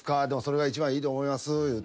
でもそれが一番いいと思います。